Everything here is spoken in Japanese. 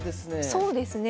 そうですね。